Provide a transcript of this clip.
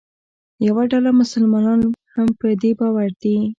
یوه ډله مسلمانان هم په دې باور دي.